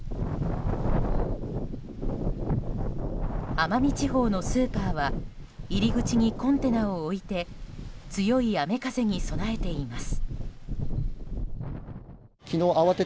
奄美地方のスーパーは入り口にコンテナを置いて強い雨風に備えています。